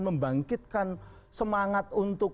membangkitkan semangat untuk